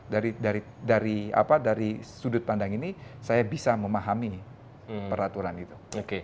dari sudut pandang ini saya bisa memahami peraturan itu